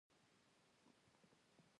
له بل لوري د دوی کار په خصوصي ډول ترسره کېږي